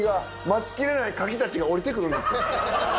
待ちきれない牡蠣たちが下りてくるんです。